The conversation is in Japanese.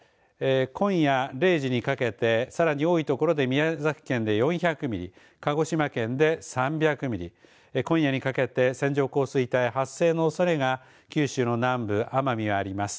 今夜０時にかけてさらに多いところで宮崎県で４００ミリ鹿児島県で３００ミリ今夜にかけて線状降水帯発生のおそれが九州の南部、奄美にあります。